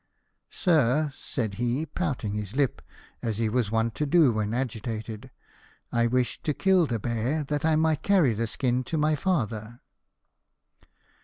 " Sir," said he, pouting his lip, as he was wont to do when agitated, " I wished to kill the bear, that I might carry the skin to my father."